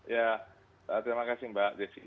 ya terima kasih mbak desi